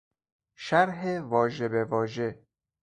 شرح واژه به واژه